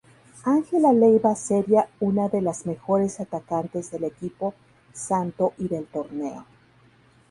Angela Leyva seria una de las mejores atacantes del equipo Santo y del torneo.